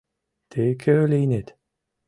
Тый кӧ лийнет?